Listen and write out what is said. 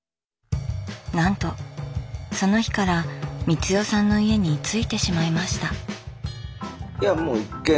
なんとその日から光代さんの家に居ついてしまいました。